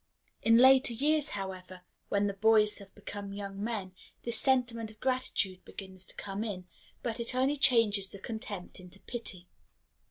In later years, however, when the boys have become young men, this sentiment of gratitude begins to come in, but it only changes the contempt into pity.